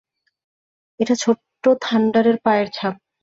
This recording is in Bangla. এটা ছোট্ট থান্ডারের পায়ের ছাপ।